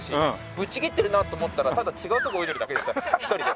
ぶっちぎってるなと思ったらただ違うとこ泳いでるだけでした一人で。